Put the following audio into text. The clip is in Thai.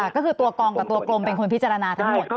ก็คือตัวกองกับตัวกรมเป็นคนพิจารณาทั้งหมด